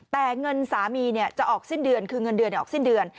แต่เงินสามีจะเอาในออกสิ้นเดือน